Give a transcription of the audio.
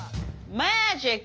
マージック。